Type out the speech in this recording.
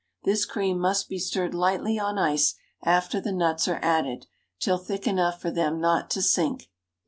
This cream must be stirred lightly on ice after the nuts are added, till thick enough for them not to sink.